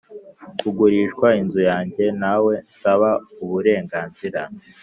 kugurishwa inzu yanjye ntawe nsaba uburenganzira